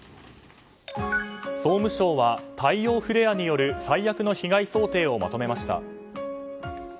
総務省は太陽フレアによる最悪の被害想定をまとめました。